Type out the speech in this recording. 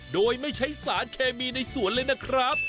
โดยไม่ใช้สารเคมีในสวนเลยนะครับ